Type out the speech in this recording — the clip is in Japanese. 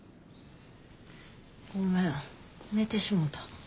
ごめん寝てしもた。